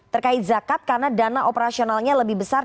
terkait zakat karena dana operasionalnya lebih besar